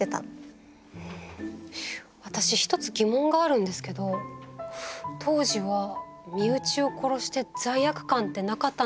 私一つ疑問があるんですけど当時は身内を殺して罪悪感ってなかったんでしょうか。